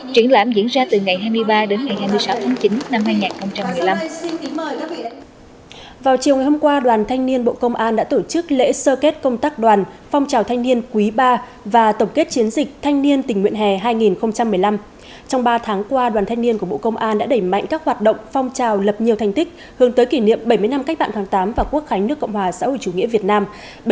chuyển lãm diễn ra từ ngày hai mươi ba đến ngày hai mươi sáu tháng chín năm hai nghìn một mươi năm